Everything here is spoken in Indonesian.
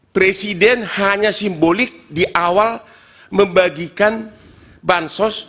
presiden hanya simbolik di awal membagikan bansos